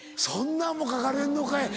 そんなんも書かれんのか。